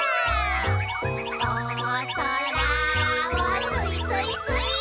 「おそらをすいすいすいー」